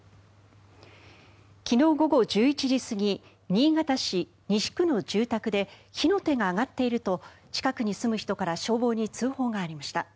昨日午後１１時過ぎ新潟市西区の住宅で火の手が上がっていると近くに住む人から消防に通報がありました。